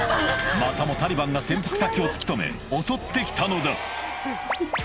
またもタリバンが潜伏先を突き止め襲って来たのだ